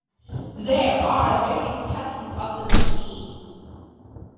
There are various patterns of the machine.